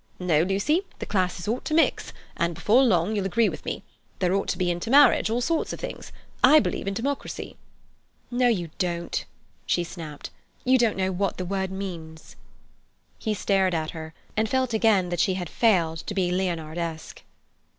No, Lucy, the classes ought to mix, and before long you'll agree with me. There ought to be intermarriage—all sorts of things. I believe in democracy—" "No, you don't," she snapped. "You don't know what the word means." He stared at her, and felt again that she had failed to be Leonardesque.